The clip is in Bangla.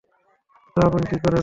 তো, আপনি কি করেন?